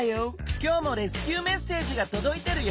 今日もレスキューメッセージがとどいてるよ。